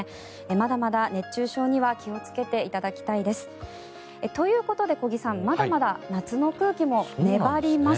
まだまだ熱中症には気をつけていただきたいです。ということで小木さんまだまだ夏の空気も粘ります。